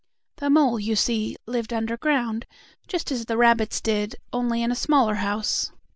The mole, you see, lived underground, just as the rabbits did, only in a smaller house.